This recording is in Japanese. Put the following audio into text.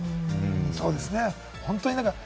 そうですね。